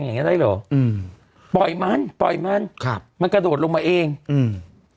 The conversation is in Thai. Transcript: อย่างเงี้ได้เหรออืมปล่อยมันปล่อยมันครับมันกระโดดลงมาเองอืม